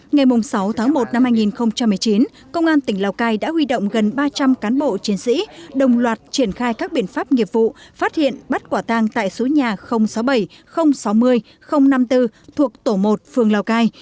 ngày sáu tháng một năm hai nghìn một mươi chín công an tỉnh lào cai đã huy động gần ba trăm linh cán bộ chiến sĩ đồng loạt triển khai các biện pháp nghiệp vụ phát hiện bắt quả tang tại số nhà sáu mươi bảy sáu mươi năm mươi bốn thuộc tổ một phường lào cai